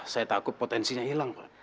saya takut potensinya hilang